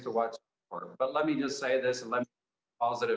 tapi biarkan saya mengatakan ini dengan pengetahuan positif